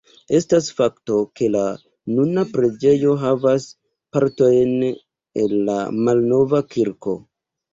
Estas fakto, ke la nuna preĝejo havas partojn el la malnova kirko.